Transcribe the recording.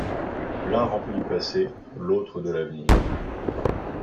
L’un rempli du passé, l’autre de. l’avenir !